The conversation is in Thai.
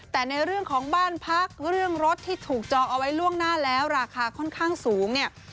แต่ในเรื่องของบ้านพักเรื่องรถที่ถูกจองเอาไว้ล่วงหน้าแล้วราคาค่อนข้างสูงเนี่ย